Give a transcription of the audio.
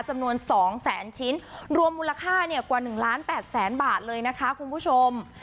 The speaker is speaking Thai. จำนวนสองแสนชิ้นรวมมูลค่าเนี่ยกว่าหนึ่งล้านแปดแสนบาทเลยนะคะคุณผู้ชม